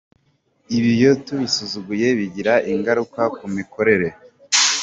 Ibi iyo tubisuzuguye bigira ingaruka ku mikorere”.